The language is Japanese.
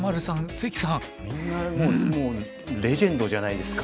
みんなもうレジェンドじゃないですか。